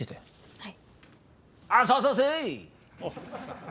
はい！